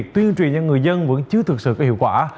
tuyên truyền cho người dân vẫn chưa thực sự có hiệu quả